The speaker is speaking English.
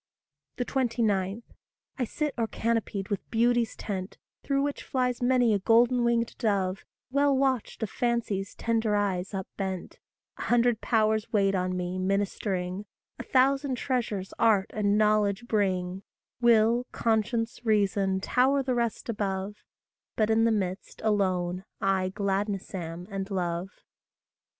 29. I sit o'ercanopied with Beauty's tent, Through which flies many a golden winged dove, Well watched of Fancy's tender eyes up bent; A hundred Powers wait on me, ministering; A thousand treasures Art and Knowledge bring; Will, Conscience, Reason tower the rest above; But in the midst, alone, I gladness am and love.